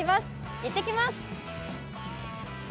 行ってきます！